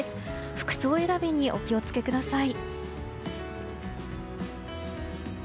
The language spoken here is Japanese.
服装選びにお気を付けください。